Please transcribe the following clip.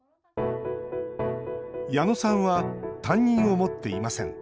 矢野さんは担任を持っていません。